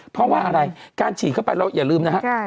เพราะว่าอะไรการฉีดเข้าไปเราอย่าลืมนะครับ